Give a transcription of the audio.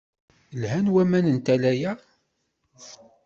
Lhan waman n tala-a.